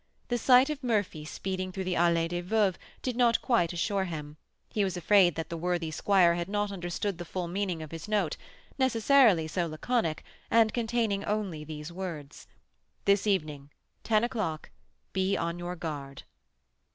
The sight of Murphy speeding through the Allée des Veuves did not quite assure him; he was afraid that the worthy squire had not quite understood the full meaning of his note, necessarily so laconic, and containing only these words: "This evening ten o'clock. Be on your guard."